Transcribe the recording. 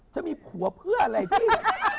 จะมีผัวเพื่ออะไรพี่